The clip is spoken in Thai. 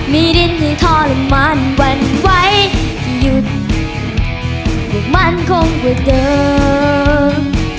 ไม่ได้หนือขอบรรมันหวั่นไหวอยู่หยุดล้างมั่นคงกว่าเดิม